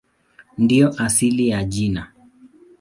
Ndiyo asili ya jina.